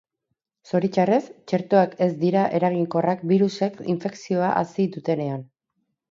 Zoritxarrez, txertoak ez dira eraginkorrak birusek infekzioa hasi dutenean.